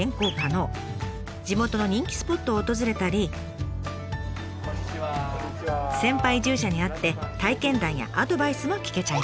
地元の人気スポットを訪れたり先輩移住者に会って体験談やアドバイスも聞けちゃいます。